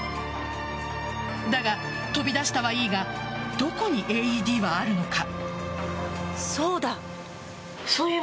だが、飛び出したは良いがどこにＡＥＤはあるのか。